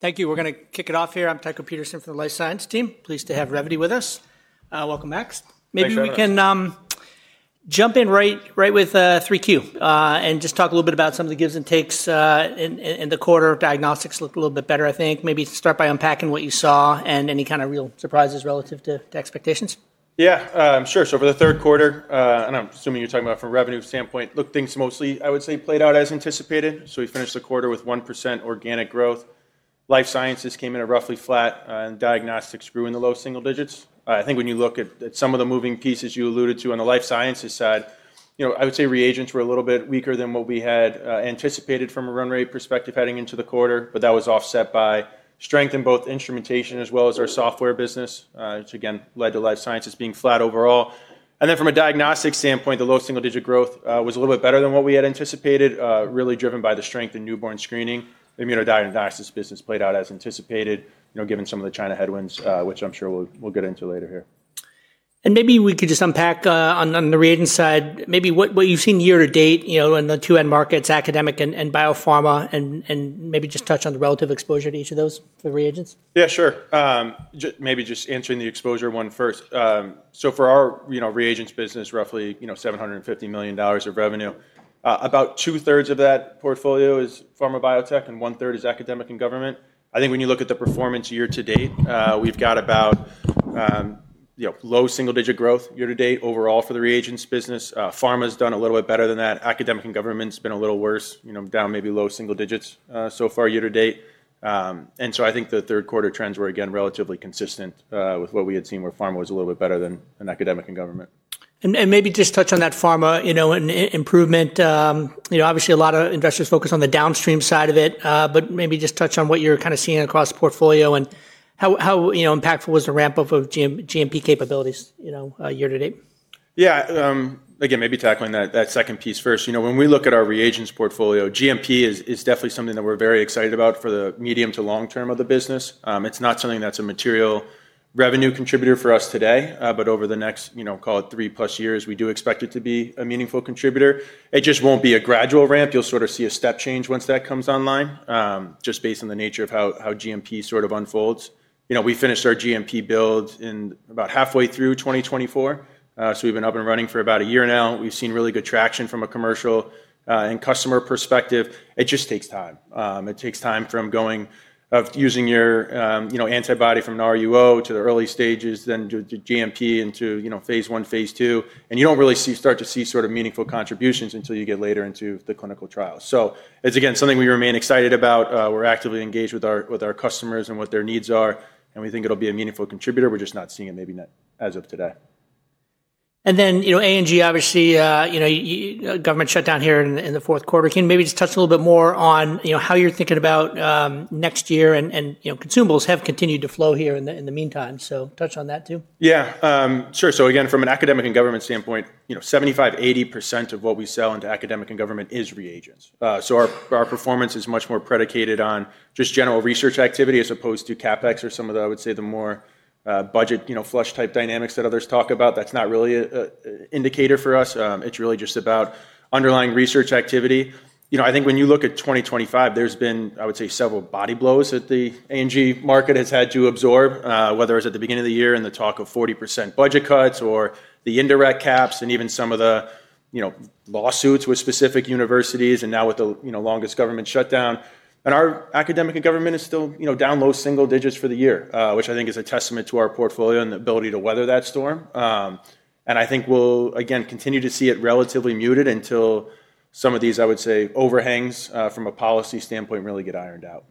Thank you. We're going to kick it off here. I'm Tycho Peterson from the Life Science team. Pleased to have Revvity with us. Welcome, Max. Thank you, everyone. Maybe we can jump in right with 3Q and just talk a little bit about some of the gives and takes in the quarter. Diagnostics looked a little bit better, I think. Maybe start by unpacking what you saw and any kind of real surprises relative to expectations. Yeah, sure. For the third quarter, and I'm assuming you're talking about from a revenue standpoint, look, things mostly, I would say, played out as anticipated. We finished the quarter with 1% organic growth. Life Sciences came in roughly flat, and Diagnostics grew in the low single digits. I think when you look at some of the moving pieces you alluded to on the Life Sciences side, I would say reagents were a little bit weaker than what we had anticipated from a run rate perspective heading into the quarter, but that was offset by strength in both instrumentation as well as our software business, which again led to Life Sciences being flat overall. From a diagnostic standpoint, the low single digit growth was a little bit better than what we had anticipated, really driven by the strength in newborn screening. Immunodiagnostics business played out as anticipated, given some of the China headwinds, which I'm sure we'll get into later here. Maybe we could just unpack on the reagent side, maybe what you've seen year to date in the two end markets, academic and biopharma, and maybe just touch on the relative exposure to each of those for reagents. Yeah, sure. Maybe just answering the exposure one first. For our reagents business, roughly $750 million of revenue, about two-thirds of that portfolio is pharma biotech, and one-third is academic and government. I think when you look at the performance year to date, we have got about low single digit growth year to date overall for the reagents business. Pharma has done a little bit better than that. Academic and government has been a little worse, down maybe low single digits so far year to date. I think the third quarter trends were again relatively consistent with what we had seen, where pharma was a little bit better than academic and government. Maybe just touch on that pharma improvement. Obviously, a lot of investors focus on the downstream side of it, but maybe just touch on what you're kind of seeing across the portfolio and how impactful was the ramp-up of GMP capabilities year to date? Yeah, again, maybe tackling that second piece first. When we look at our reagents portfolio, GMP is definitely something that we're very excited about for the medium to long term of the business. It's not something that's a material revenue contributor for us today, but over the next, call it three plus years, we do expect it to be a meaningful contributor. It just won't be a gradual ramp. You'll sort of see a step change once that comes online, just based on the nature of how GMP sort of unfolds. We finished our GMP build in about halfway through 2024, so we've been up and running for about a year now. We've seen really good traction from a commercial and customer perspective. It just takes time. It takes time from using your antibody from an RUO to the early stages, then to GMP and to phase one, phase two, and you do not really start to see sort of meaningful contributions until you get later into the clinical trials. It is again something we remain excited about. We are actively engaged with our customers and what their needs are, and we think it will be a meaningful contributor. We are just not seeing it maybe as of today. A&G, obviously, government shutdown here in the fourth quarter. Can you maybe just touch a little bit more on how you're thinking about next year? And consumables have continued to flow here in the meantime, so touch on that too. Yeah, sure. Again, from an academic and government standpoint, 75%-80% of what we sell into academic and government is reagents. Our performance is much more predicated on just general research activity as opposed to CapEx or some of the, I would say, the more budget flush type dynamics that others talk about. That is not really an indicator for us. It is really just about underlying research activity. I think when you look at 2025, there have been, I would say, several body blows that the A&G market has had to absorb, whether it was at the beginning of the year and the talk of 40% budget cuts or the indirect caps and even some of the lawsuits with specific universities and now with the longest government shutdown. Our academic and government is still down low single digits for the year, which I think is a testament to our portfolio and the ability to weather that storm. I think we'll, again, continue to see it relatively muted until some of these, I would say, overhangs from a policy standpoint really get ironed out.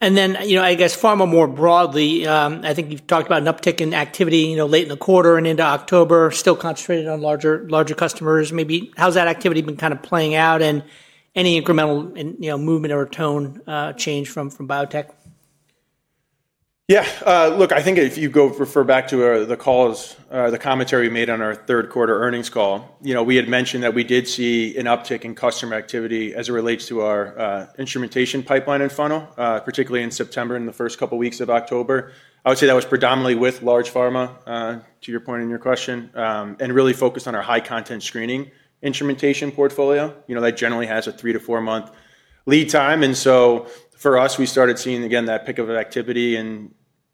I guess, pharma more broadly, I think you've talked about an uptick in activity late in the quarter and into October, still concentrated on larger customers. Maybe how's that activity been kind of playing out and any incremental movement or tone change from biotech? Yeah, look, I think if you go refer back to the commentary we made on our third quarter earnings call, we had mentioned that we did see an uptick in customer activity as it relates to our instrumentation pipeline and funnel, particularly in September and the first couple of weeks of October. I would say that was predominantly with large pharma, to your point in your question, and really focused on our high content screening instrumentation portfolio. That generally has a three to four month lead time. For us, we started seeing again that pickup of activity in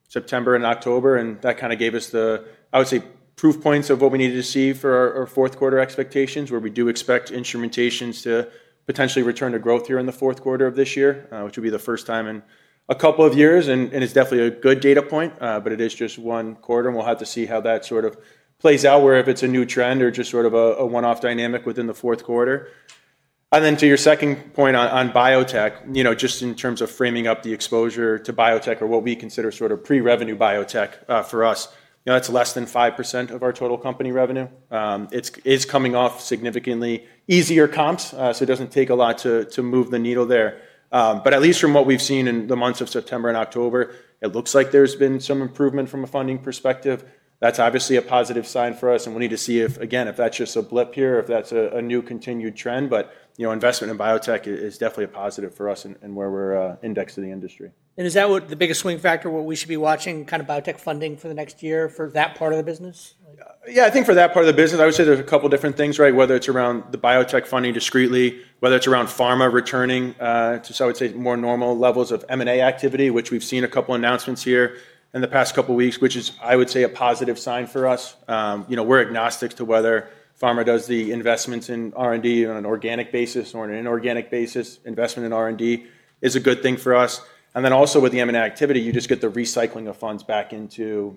September and October, and that kind of gave us the, I would say, proof points of what we needed to see for our fourth quarter expectations, where we do expect instrumentations to potentially return to growth here in the fourth quarter of this year, which will be the first time in a couple of years. It is definitely a good data point, but it is just one quarter, and we will have to see how that sort of plays out, whether if it is a new trend or just sort of a one-off dynamic within the fourth quarter. To your second point on biotech, just in terms of framing up the exposure to biotech or what we consider sort of pre-revenue biotech for us, that is less than 5% of our total company revenue. It's coming off significantly easier comps, so it doesn't take a lot to move the needle there. At least from what we've seen in the months of September and October, it looks like there's been some improvement from a funding perspective. That's obviously a positive sign for us, and we'll need to see if, again, if that's just a blip here or if that's a new continued trend. Investment in biotech is definitely a positive for us and where we're indexed to the industry. Is that the biggest swing factor, what we should be watching, kind of biotech funding for the next year for that part of the business? Yeah, I think for that part of the business, I would say there's a couple of different things, right? Whether it's around the biotech funding discreetly, whether it's around pharma returning to, I would say, more normal levels of M&A activity, which we've seen a couple of announcements here in the past couple of weeks, which is, I would say, a positive sign for us. We're agnostic to whether pharma does the investments in R&D on an organic basis or an inorganic basis. Investment in R&D is a good thing for us. Also, with the M&A activity, you just get the recycling of funds back into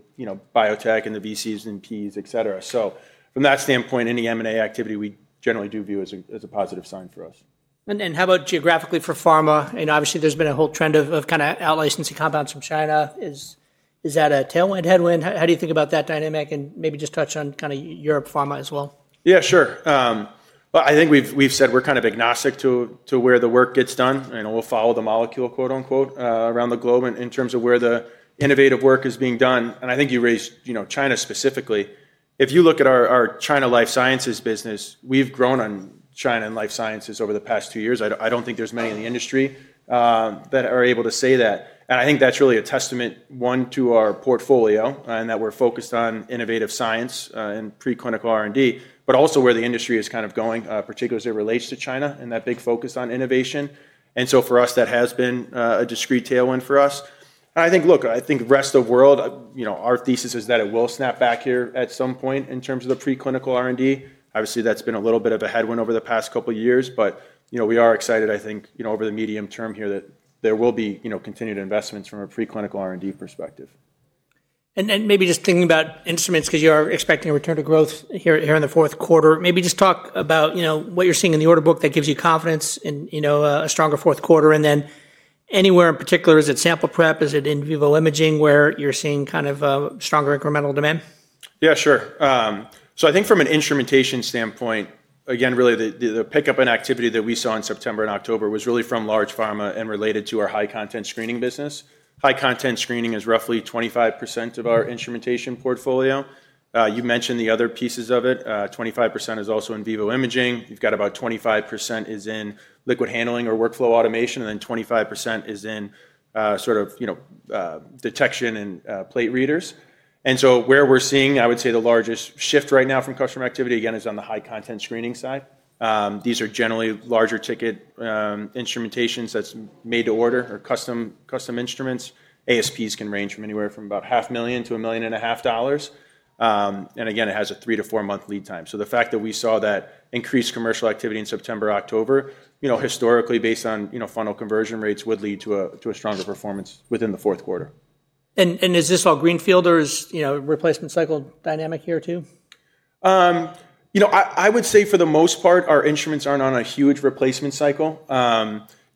biotech and the VCs and Ps, et cetera. From that standpoint, any M&A activity we generally do view as a positive sign for us. How about geographically for pharma? Obviously, there has been a whole trend of kind of outlicensing compounds from China. Is that a tailwind, headwind? How do you think about that dynamic? Maybe just touch on kind of Europe pharma as well. Yeah, sure. I think we've said we're kind of agnostic to where the work gets done. We'll follow the molecule, quote unquote, around the globe in terms of where the innovative work is being done. I think you raised China specifically. If you look at our China Life Sciences business, we've grown in China and life sciences over the past two years. I don't think there's many in the industry that are able to say that. I think that's really a testament, one, to our portfolio and that we're focused on innovative science and preclinical R&D, but also where the industry is kind of going, particularly as it relates to China and that big focus on innovation. For us, that has been a discrete tailwind for us. I think, look, I think rest of the world, our thesis is that it will snap back here at some point in terms of the preclinical R&D. Obviously, that's been a little bit of a headwind over the past couple of years, but we are excited, I think, over the medium term here that there will be continued investments from a preclinical R&D perspective. Maybe just thinking about instruments, because you are expecting a return to growth here in the fourth quarter, maybe just talk about what you're seeing in the order book that gives you confidence in a stronger fourth quarter. Anywhere in particular, is it sample prep? Is it in vivo imaging where you're seeing kind of stronger incremental demand? Yeah, sure. I think from an instrumentation standpoint, again, really the pickup in activity that we saw in September and October was really from large pharma and related to our high content screening business. High content screening is roughly 25% of our instrumentation portfolio. You mentioned the other pieces of it. 25% is also in vivo imaging. You've got about 25% is in liquid handling or workflow automation, and then 25% is in sort of detection and plate readers. Where we're seeing, I would say, the largest shift right now from customer activity, again, is on the high content screening side. These are generally larger ticket instrumentations that's made to order or custom instruments. ASPs can range from anywhere from about $500,000 to $1,500,000. Again, it has a three to four month lead time. The fact that we saw that increased commercial activity in September, October, historically, based on funnel conversion rates, would lead to a stronger performance within the fourth quarter. Is this all greenfield or is replacement cycle dynamic here too? I would say for the most part, our instruments aren't on a huge replacement cycle.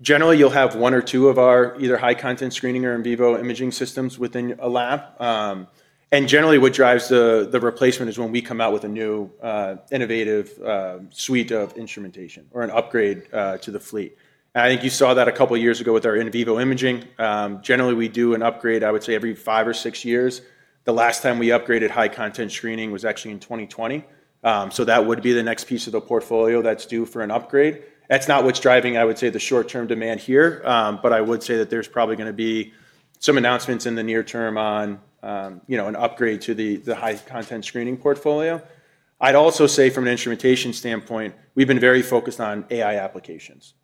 Generally, you'll have one or two of our either high content screening or in vivo imaging systems within a lab. Generally, what drives the replacement is when we come out with a new innovative suite of instrumentation or an upgrade to the fleet. I think you saw that a couple of years ago with our in vivo imaging. Generally, we do an upgrade, I would say, every five or six years. The last time we upgraded high content screening was actually in 2020. That would be the next piece of the portfolio that's due for an upgrade. That's not what's driving, I would say, the short-term demand here, but I would say that there's probably going to be some announcements in the near term on an upgrade to the high content screening portfolio. I'd also say from an instrumentation standpoint, we've been very focused on AI applications.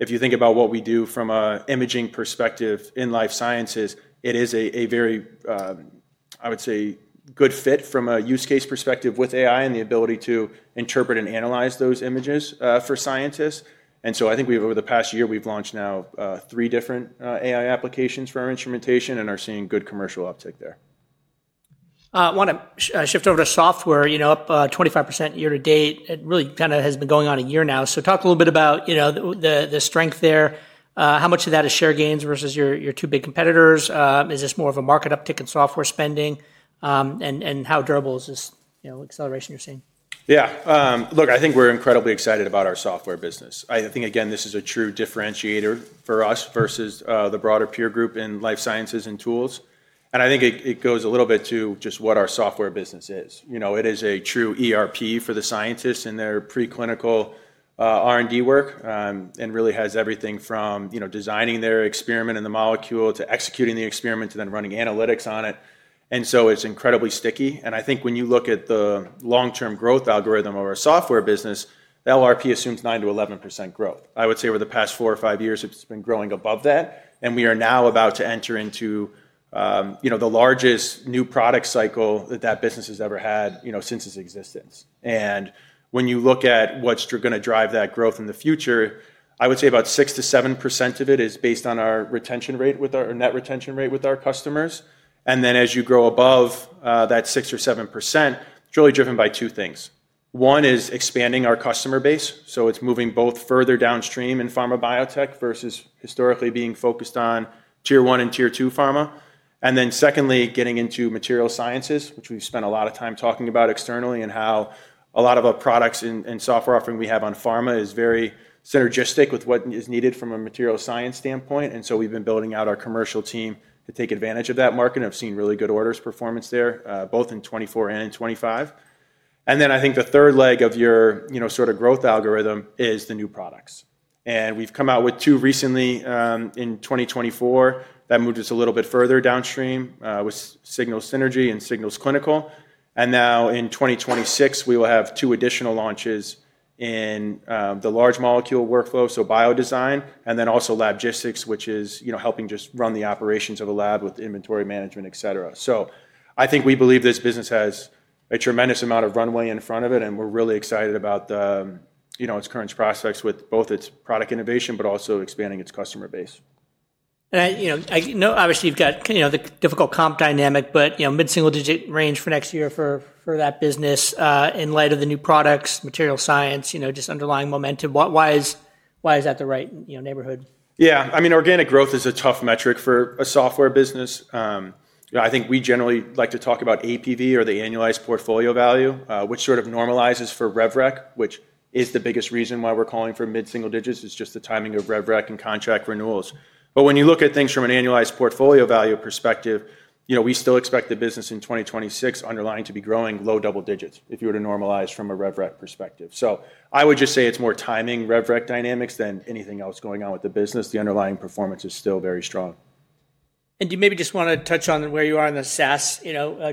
If you think about what we do from an imaging perspective in life sciences, it is a very, I would say, good fit from a use case perspective with AI and the ability to interpret and analyze those images for scientists. I think over the past year, we've launched now three different AI applications for our instrumentation and are seeing good commercial uptake there. I want to shift over to software. Up 25% year to date. It really kind of has been going on a year now. Talk a little bit about the strength there. How much of that is share gains versus your two big competitors? Is this more of a market uptick in software spending? How durable is this acceleration you're seeing? Yeah, look, I think we're incredibly excited about our software business. I think, again, this is a true differentiator for us versus the broader peer group in life sciences and tools. I think it goes a little bit to just what our software business is. It is a true ERP for the scientists in their preclinical R&D work and really has everything from designing their experiment in the molecule to executing the experiment to then running analytics on it. It is incredibly sticky. I think when you look at the long-term growth algorithm of our software business, the LRP assumes 9%-11% growth. I would say over the past four or five years, it's been growing above that, and we are now about to enter into the largest new product cycle that that business has ever had since its existence. When you look at what is going to drive that growth in the future, I would say about 6%-7% of it is based on our retention rate with our net retention rate with our customers. As you grow above that 6%-7%, it is really driven by two things. One is expanding our customer base. It is moving both further downstream in pharma biotech versus historically being focused on tier one and tier two pharma. Secondly, getting into material sciences, which we have spent a lot of time talking about externally and how a lot of our products and software offering we have on pharma is very synergistic with what is needed from a material science standpoint. We have been building out our commercial team to take advantage of that market and have seen really good orders performance there, both in 2024 and in 2025. I think the third leg of your sort of growth algorithm is the new products. We have come out with two recently in 2024 that moved us a little bit further downstream with Signal Synergy and Signal Clinical. In 2026, we will have two additional launches in the large molecule workflow, so biodesign, and then also lab justice, which is helping just run the operations of a lab with inventory management, et cetera. I think we believe this business has a tremendous amount of runway in front of it, and we are really excited about its current prospects with both its product innovation, but also expanding its customer base. I know obviously you've got the difficult comp dynamic, but mid-single digit range for next year for that business in light of the new products, material science, just underlying momentum. Why is that the right neighborhood? Yeah, I mean, organic growth is a tough metric for a software business. I think we generally like to talk about APV or the annualized portfolio value, which sort of normalizes for RevRec, which is the biggest reason why we're calling for mid-single digits. It's just the timing of RevRec and contract renewals. When you look at things from an annualized portfolio value perspective, we still expect the business in 2026 underlying to be growing low double digits if you were to normalize from a RevRec perspective. I would just say it's more timing RevRec dynamics than anything else going on with the business. The underlying performance is still very strong. Do you maybe just want to touch on where you are in the SaaS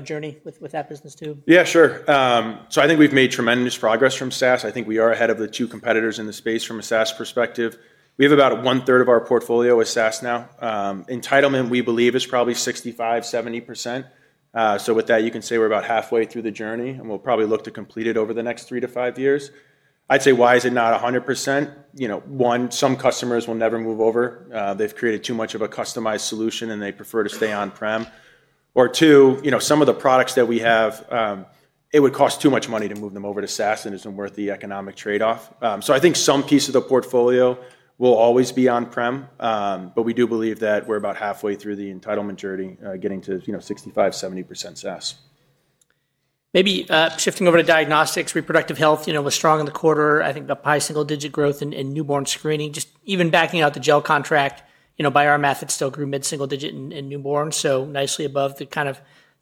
journey with that business too? Yeah, sure. I think we've made tremendous progress from SaaS. I think we are ahead of the two competitors in the space from a SaaS perspective. We have about one third of our portfolio as SaaS now. Entitlement, we believe, is probably 65%-70%. With that, you can say we're about halfway through the journey, and we'll probably look to complete it over the next three to five years. I'd say, why is it not 100%? One, some customers will never move over. They've created too much of a customized solution, and they prefer to stay on-prem. Two, some of the products that we have, it would cost too much money to move them over to SaaS, and it isn't worth the economic trade-off. I think some piece of the portfolio will always be on-prem, but we do believe that we're about halfway through the entitlement journey, getting to 65%-70% SaaS. Maybe shifting over to diagnostics, reproductive health was strong in the quarter. I think the high single digit growth in newborn screening, just even backing out the gel contract by our method, still grew mid-single digit in newborns, so nicely above the kind of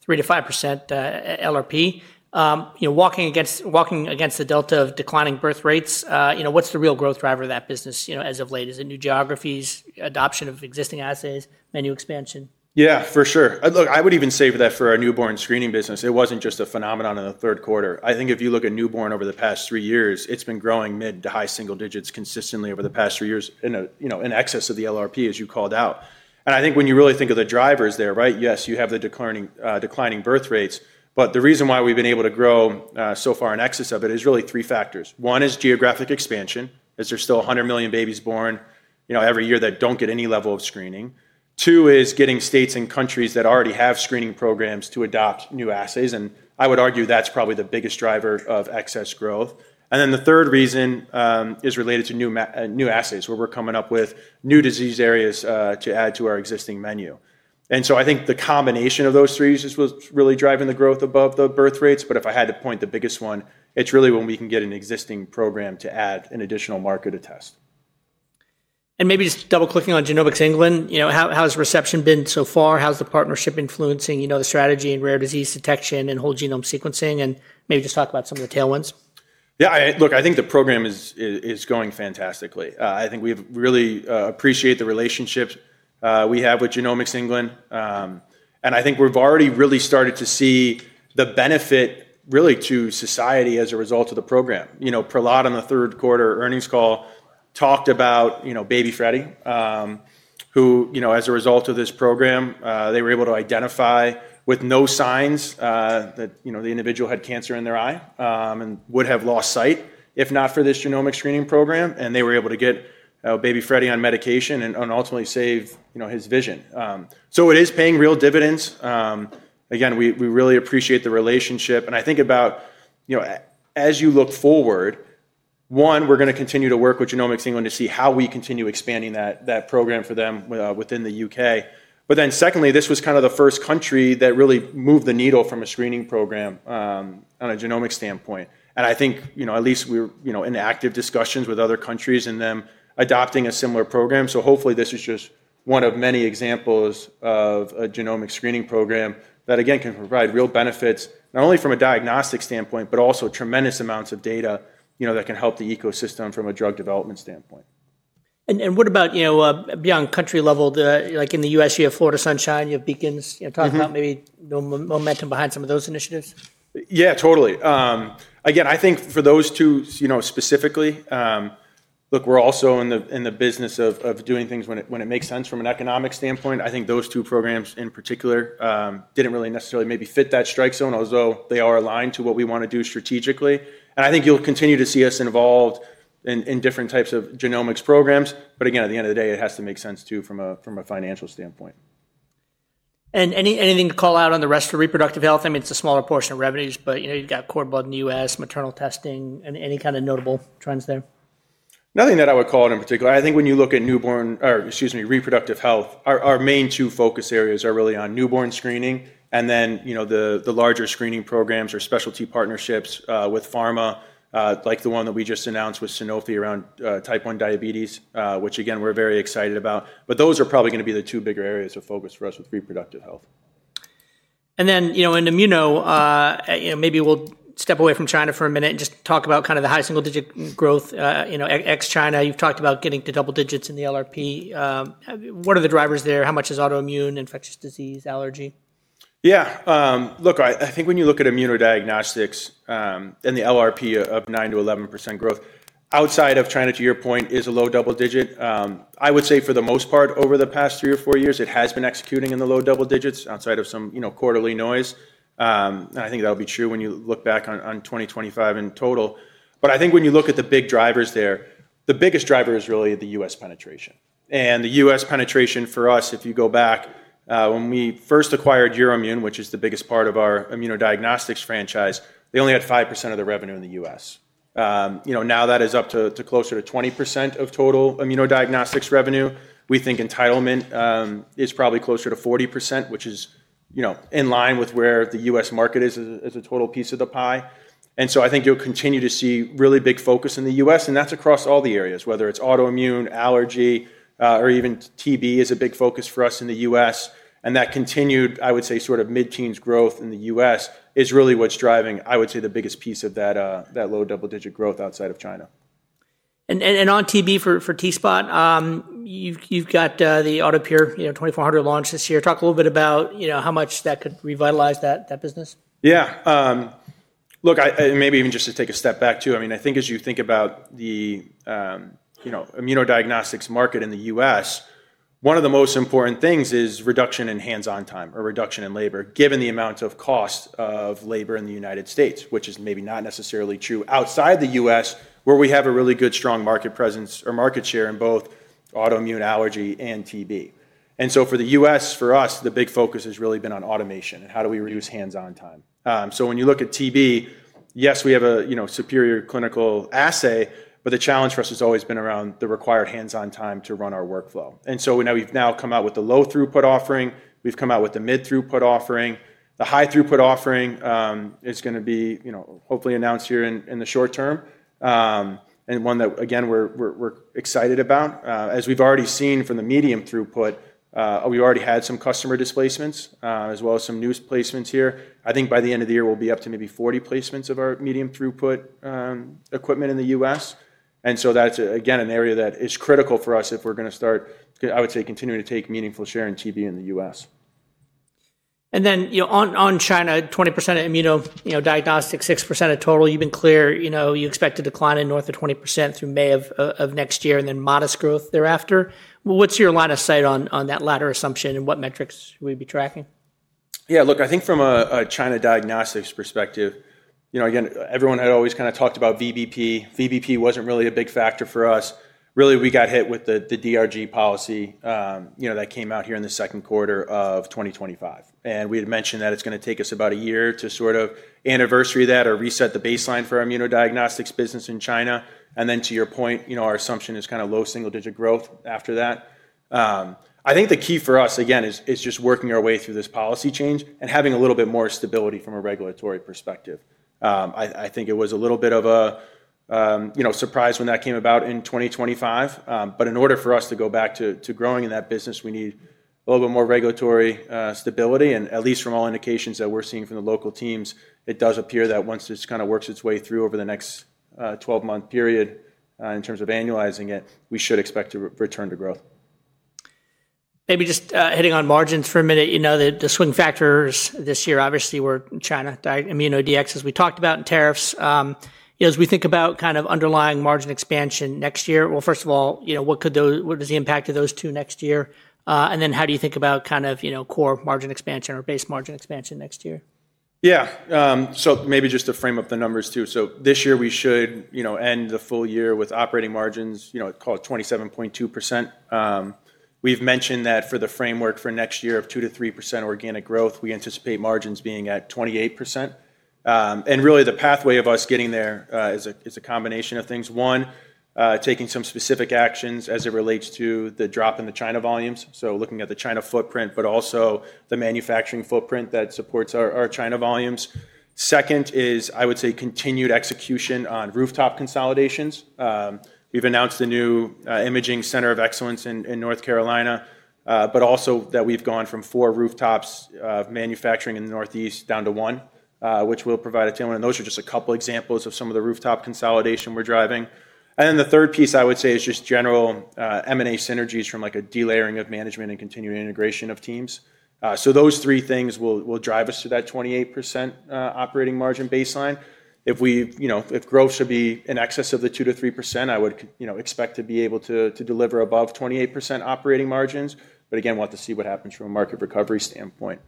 3%-5% LRP. Walking against the delta of declining birth rates, what's the real growth driver of that business as of late? Is it new geographies, adoption of existing assays, menu expansion? Yeah, for sure. Look, I would even say that for our newborn screening business, it was not just a phenomenon in the third quarter. I think if you look at newborn over the past three years, it has been growing mid to high single digits consistently over the past three years in excess of the LRP, as you called out. I think when you really think of the drivers there, right, yes, you have the declining birth rates, but the reason why we have been able to grow so far in excess of it is really three factors. One is geographic expansion, as there are still 100 million babies born every year that do not get any level of screening. Two is getting states and countries that already have screening programs to adopt new assays. I would argue that is probably the biggest driver of excess growth. The third reason is related to new assays, where we're coming up with new disease areas to add to our existing menu. I think the combination of those three is what's really driving the growth above the birth rates. If I had to point to the biggest one, it's really when we can get an existing program to add an additional market to test. Maybe just double-clicking on Genomics England, how has reception been so far? How's the partnership influencing the strategy in rare disease detection and whole genome sequencing? Maybe just talk about some of the tailwinds. Yeah, look, I think the program is going fantastically. I think we really appreciate the relationships we have with Genomics England. I think we've already really started to see the benefit really to society as a result of the program. Prahlad on the third quarter earnings call talked about Baby Freddie, who as a result of this program, they were able to identify with no signs that the individual had cancer in their eye and would have lost sight if not for this genomic screening program. They were able to get Baby Freddie on medication and ultimately save his vision. It is paying real dividends. Again, we really appreciate the relationship. I think about as you look forward, one, we're going to continue to work with Genomics England to see how we continue expanding that program for them within the U.K. Then secondly, this was kind of the first country that really moved the needle from a screening program on a genomic standpoint. I think at least we're in active discussions with other countries and them adopting a similar program. Hopefully this is just one of many examples of a genomic screening program that, again, can provide real benefits not only from a diagnostic standpoint, but also tremendous amounts of data that can help the ecosystem from a drug development standpoint. What about beyond country level, like in the U.S., you have Florida Sunshine, you have Beacons. Talk about maybe momentum behind some of those initiatives. Yeah, totally. Again, I think for those two specifically, look, we're also in the business of doing things when it makes sense from an economic standpoint. I think those two programs in particular did not really necessarily maybe fit that strike zone, although they are aligned to what we want to do strategically. I think you'll continue to see us involved in different types of genomics programs. Again, at the end of the day, it has to make sense too from a financial standpoint. Anything to call out on the rest for reproductive health? I mean, it's a smaller portion of revenues, but you've got cord blood in the U.S., maternal testing, and any kind of notable trends there? Nothing that I would call out in particular. I think when you look at newborn or, excuse me, reproductive health, our main two focus areas are really on newborn screening and then the larger screening programs or specialty partnerships with pharma, like the one that we just announced with Sanofi around type 1 diabetes, which again, we're very excited about. Those are probably going to be the two bigger areas of focus for us with reproductive health. In immuno, maybe we'll step away from China for a minute and just talk about kind of the high single digit growth ex-China. You've talked about getting to double digits in the LRP. What are the drivers there? How much is autoimmune, infectious disease, allergy? Yeah, look, I think when you look at immunodiagnostics and the LRP of 9%-11% growth outside of China, to your point, is a low double digit. I would say for the most part, over the past three or four years, it has been executing in the low double digits outside of some quarterly noise. I think that'll be true when you look back on 2025 in total. I think when you look at the big drivers there, the biggest driver is really the U.S. penetration. The U.S. penetration for us, if you go back, when we first acquired Eurimmune, which is the biggest part of our immunodiagnostics franchise, they only had 5% of the revenue in the U.S. Now that is up to closer to 20% of total immunodiagnostics revenue. We think entitlement is probably closer to 40%, which is in line with where the U.S. market is as a total piece of the pie. I think you'll continue to see really big focus in the U.S., and that's across all the areas, whether it's autoimmune, allergy, or even TB is a big focus for us in the U.S. That continued, I would say, sort of mid-teens growth in the U.S. is really what's driving, I would say, the biggest piece of that low double digit growth outside of China. On TB for T-Spot, you've got the Auto-Pure 2400 launch this year. Talk a little bit about how much that could revitalize that business. Yeah, look, and maybe even just to take a step back too. I mean, I think as you think about the immunodiagnostics market in the U.S., one of the most important things is reduction in hands-on time or reduction in labor, given the amount of cost of labor in the United States, which is maybe not necessarily true outside the U.S., where we have a really good strong market presence or market share in both autoimmune, allergy, and TB. For the U.S., for us, the big focus has really been on automation and how do we reduce hands-on time. When you look at TB, yes, we have a superior clinical assay, but the challenge for us has always been around the required hands-on time to run our workflow. We have now come out with the low throughput offering. We have come out with the mid-throughput offering. The high throughput offering is going to be hopefully announced here in the short term and one that, again, we're excited about. As we've already seen from the medium throughput, we already had some customer displacements as well as some new placements here. I think by the end of the year, we'll be up to maybe 40 placements of our medium throughput equipment in the US. That is, again, an area that is critical for us if we're going to start, I would say, continuing to take meaningful share in TB in the U.S. On China, 20% of immunodiagnostics, 6% of total. You've been clear you expect a decline in north of 20% through May of next year and then modest growth thereafter. What's your line of sight on that latter assumption and what metrics we'd be tracking? Yeah, look, I think from a China diagnostics perspective, again, everyone had always kind of talked about VBP. VBP was not really a big factor for us. Really, we got hit with the DRG policy that came out here in the second quarter of 2025. We had mentioned that it is going to take us about a year to sort of anniversary that or reset the baseline for our immunodiagnostics business in China. To your point, our assumption is kind of low single digit growth after that. I think the key for us, again, is just working our way through this policy change and having a little bit more stability from a regulatory perspective. I think it was a little bit of a surprise when that came about in 2025. In order for us to go back to growing in that business, we need a little bit more regulatory stability. At least from all indications that we're seeing from the local teams, it does appear that once this kind of works its way through over the next 12-month period in terms of annualizing it, we should expect to return to growth. Maybe just hitting on margins for a minute, the swing factors this year obviously were China, immuno DX as we talked about, and tariffs. As we think about kind of underlying margin expansion next year, first of all, what does the impact of those two next year? And then how do you think about kind of core margin expansion or base margin expansion next year? Yeah, so maybe just to frame up the numbers too. This year, we should end the full year with operating margins, call it 27.2%. We've mentioned that for the framework for next year of 2-3% organic growth, we anticipate margins being at 28%. Really, the pathway of us getting there is a combination of things. One, taking some specific actions as it relates to the drop in the China volumes. Looking at the China footprint, but also the manufacturing footprint that supports our China volumes. Second is, I would say, continued execution on rooftop consolidations. We've announced the new Imaging Center of Excellence in North Carolina, but also that we've gone from four rooftops of manufacturing in the Northeast down to one, which will provide a tailwind. Those are just a couple of examples of some of the rooftop consolidation we're driving. The third piece, I would say, is just general M&A synergies from a delayering of management and continuing integration of teams. Those three things will drive us to that 28% operating margin baseline. If growth should be in excess of the 2-3%, I would expect to be able to deliver above 28% operating margins, but again, want to see what happens from a market recovery standpoint.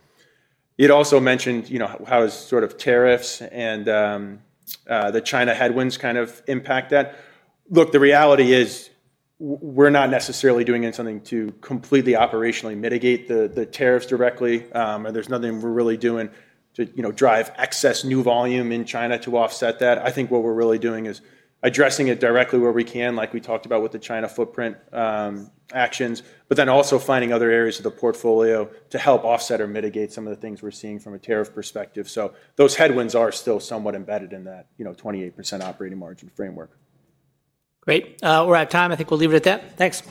You'd also mentioned how sort of tariffs and the China headwinds kind of impact that. Look, the reality is we're not necessarily doing anything to completely operationally mitigate the tariffs directly. There's nothing we're really doing to drive excess new volume in China to offset that. I think what we're really doing is addressing it directly where we can, like we talked about with the China footprint actions, but then also finding other areas of the portfolio to help offset or mitigate some of the things we're seeing from a tariff perspective. Those headwinds are still somewhat embedded in that 28% operating margin framework. Great. We're out of time. I think we'll leave it at that. Thanks.